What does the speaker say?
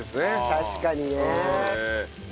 確かにね。